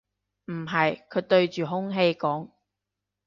唔係，佢對住空氣講